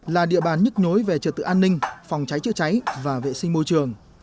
là địa bàn nhức nhối về trợ tự an ninh phòng cháy trợ cháy và vệ sinh môi trường